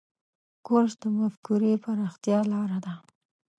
کورس د مفکورې پراختیا لاره ده.